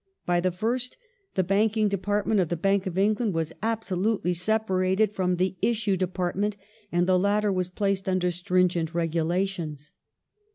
By the first, the banking department of the Bank of England was absolutely separated from the issue depart , ment and the latter was placed under stringent regulations.